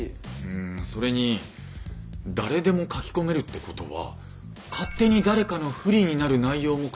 んそれに誰でも書き込めるってことは勝手に誰かの不利になる内容も書けるわけですよね？